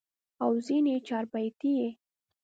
او ځني چاربيتې ئې